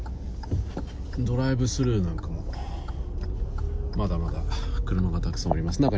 ドライブスルーなんかにも、まだまだ車がたくさんあります。